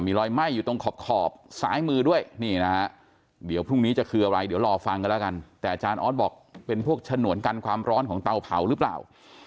มีรอยไหม้อยู่ตรงขอบซ้ายมือด้วยนี่นะฮะเดี๋ยวพรุ่งนี้จะคืออะไรเดี๋ยวรอฟังกันแล้วกันแต่อาจารย์ออสบอกเป็นพวกฉนวนกันความร้อนของเตาเผาหรือเปล่า